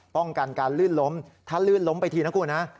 ป้องกันการลื่นล้มถ้าลื่นล้มไปทีนะคุณฮะ